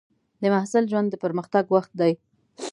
د محصل ژوند د پرمختګ وخت دی.